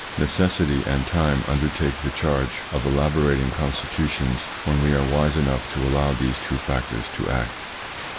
Necessity and time undertake the charge of elaborating constitutions when we are wise enough to allow these two factors to act.